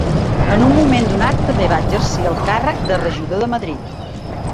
En un moment donat també va exercir el càrrec de regidor de Madrid.